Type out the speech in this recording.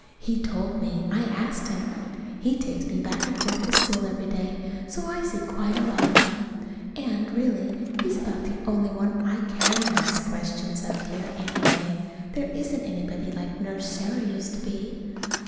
He told me. I asked him. He takes me back and forth to school every day, so I see quite a lot of him. And, really, he's about the only one I can ask questions of here, anyway. There isn't anybody like Nurse Sarah used to be.